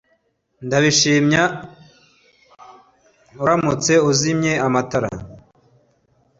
Ndabishima uramutse uzimye amatara